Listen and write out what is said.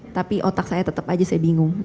tapi otak saya tetap aja saya bingung